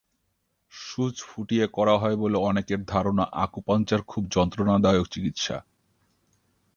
সুচ ফুটিয়ে করা হয় বলে অনেকের ধারণা আকুপাঙ্কচার খুব যন্ত্রণাদায়ক চিকিৎসা।